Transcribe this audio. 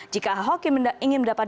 jika ahok ingin mendapatkan